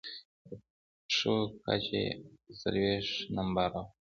د پښو کچه يې اته څلوېښت نمبره وه.